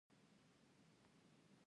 چې دا تش بوتلونه له روغتون څخه وباسي.